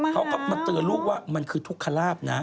เขาก็มาเตือนลูกว่ามันคือทุกขลาบนะ